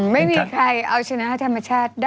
ไม่มีใครเอาชนะธรรมชาติได้